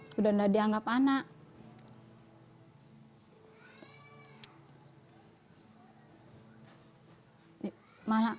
sudah tidak dianggap anak